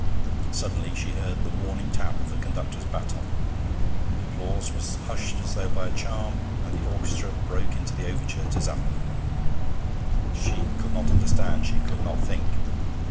Suddenly she heard the warning tap of the conductor's baton; the applause was hushed as though by a charm, and the orchestra broke into the overture to 'Zampa.' She could not understand, she could not think.